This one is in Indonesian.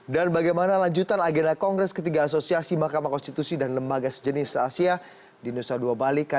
dan bagaimana lanjutan agenda kongres ketiga asosiasi mahkamah konstitusi dan lembaga sejenis asia di nusa dua bali